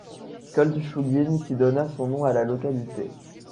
Koltchouguine, qui donna son nom à la localité.